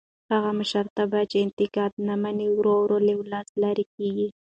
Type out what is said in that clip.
هغه مشرتابه چې انتقاد نه مني ورو ورو له ولسه لرې کېږي